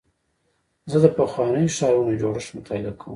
زه د پخوانیو ښارونو جوړښت مطالعه کوم.